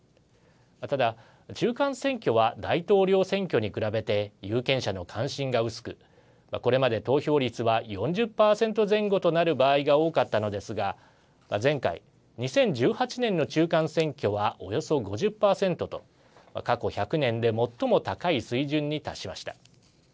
ただ中間選挙は大統領選挙に比べて有権者の関心が薄くこれまで投票率は４０％前後となる場合が多かったのですが前回２０１８年の中間選挙はおよそ５０％と、過去１００年で最も高い水準に達しました。